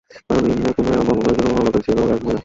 কারণ Ibn Qumayya বর্ম পরিহিত ছিল আর হামলাকারিনী ছিল এক মহিলা।